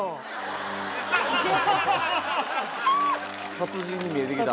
達人に見えてきた。